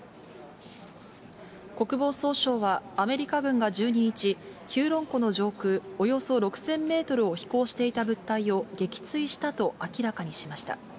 国防総省は、アメリカ軍が１２日、ヒューロン湖の上空およそ６０００メートルを飛行していた物体を撃墜したと明らかにしました。